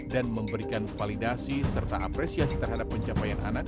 dan memberikan validasi serta apresiasi terhadap pencapaian anak